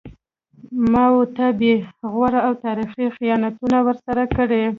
ما و تا بې غوره او تاریخي خیانتونه ورسره کړي